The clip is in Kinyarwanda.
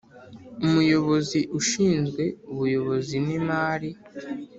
Umuyobozi ushinzwe ubuyobozi n imari